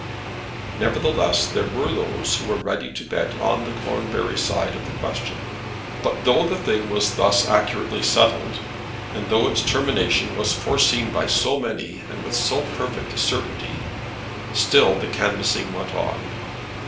Nevertheless there were those who were ready to bet on the Cornbury side of the question. But though the thing was thus accurately settled, and though its termination was foreseen by so many and with so perfect a certainty, still the canvassing went on.